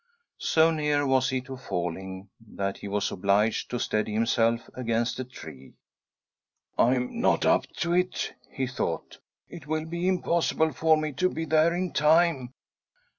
So near was he to falling, that he was obliged to steady himself against a tree. —" I am not up to it," he thought. " It will be impossible for me to be there ia time."